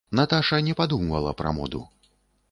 Наташа не падумвала пра моду.